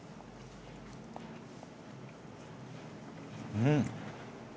うん！